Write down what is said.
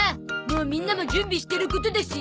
もうみんなも準備してることだし。